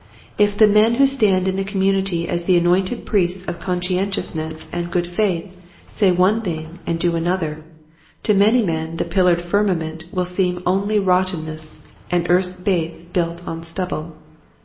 If the men who stand in the community as the .anointed priests of conscientiousness and good faith say one thing and do another, to many men the pillared firmament will seem only rotten ness and earth's base built on stubble.